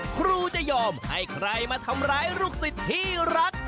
ครูจะยอมให้ใครมาทำร้ายลูกศิษย์ที่รัก